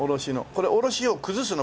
これおろしを崩すの？